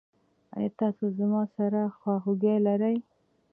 ایا تاسو زما سره خواخوږي لرئ؟